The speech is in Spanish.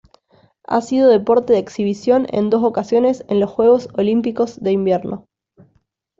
Ha sido deporte de exhibición en dos ocasiones en los Juegos Olímpicos de Invierno.